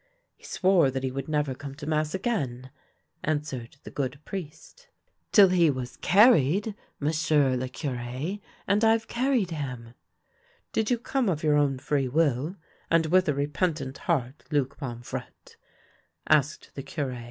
" He swore that he would never come to mass again," answered the good priest. " Till he was carried, m'sieu' le Cure — and Fve car ried him." " Did you come of your own free will, and with a repentant heart, Luc Pomfrette ?" asked the Cure.